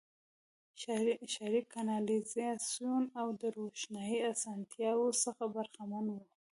ښاري کانالیزاسیون او د روښنايي اسانتیاوو څخه برخمن وو.